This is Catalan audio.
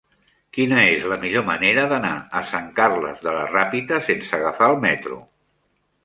Quina és la millor manera d'anar a Sant Carles de la Ràpita sense agafar el metro?